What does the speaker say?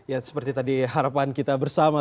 ya seperti tadi harapan kita bersama